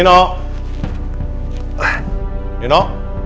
udah pulang ya